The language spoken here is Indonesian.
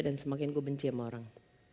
dan semakin gue benci sama orang